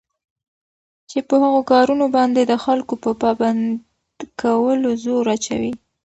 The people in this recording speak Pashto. چې په هغو كارونو باندي دخلكوپه پابند كولو زور اچوي